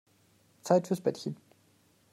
Zeit fürs Bettchen.